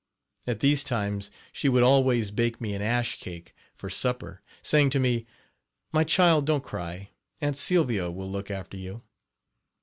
At these times she would always bake me an ash cake for supper, saying to me: "My child, don't cry; 'Aunt Sylvia' will look after you."